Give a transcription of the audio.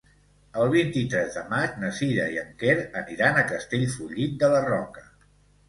El vint-i-tres de maig na Sira i en Quer aniran a Castellfollit de la Roca.